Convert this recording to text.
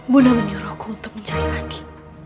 buna menyuruhku untuk mencari adi